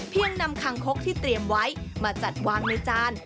ยังนำคังคกที่เตรียมไว้มาจัดวางในจาน